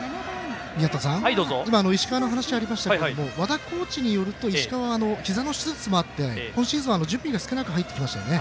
今、石川の話ありましたけども和田コーチによると石川はひざの手術もあって今シーズンは、準備が少なく入ってきましたよね。